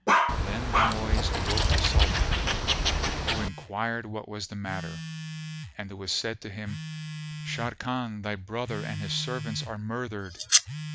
Then the noise awoke the Sultan, who enquired what was the matter, and it was said to him, "Sharrkan thy brother and his servants are murthered."